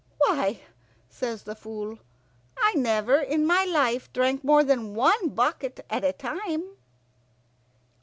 "Why," says the Fool, "I never in my life drank more than one bucket at a time."